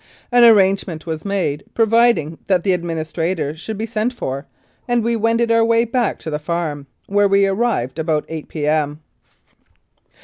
An arrangement was made providing that the admini strator should be sent for, and we wended our way back to the farm, where we arrived about 8 p.m.